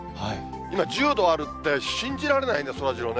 今１０度あるって信じられないね、そらジローね。